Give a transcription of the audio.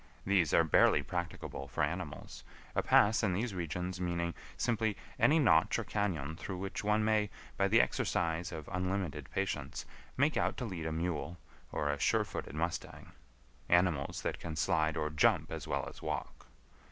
These are barely practicable for animals; a pass in these regions meaning simply any notch or cañon through which one may, by the exercise of unlimited patience, make out to lead a mule, or a sure footed mustang; animals that can slide or jump as well as walk.